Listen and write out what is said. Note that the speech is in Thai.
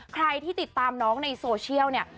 ใครที่ติดตามน้องในโซเชียลเนี่ย